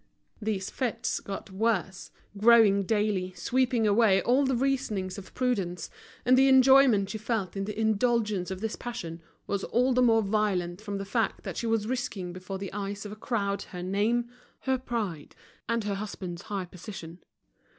These fits got worse, growing daily, sweeping away all the reasonings of prudence, and the enjoyment she felt in the indulgence of this passion was all the more violent from the fact that she was risking before the eyes of a crowd her name, her pride, and her husband's high position.